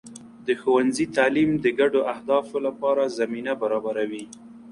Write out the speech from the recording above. د ښوونځي تعلیم د ګډو اهدافو لپاره زمینه برابروي.